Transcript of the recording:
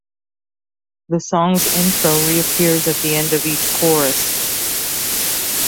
The song's intro reappears at the end of each chorus.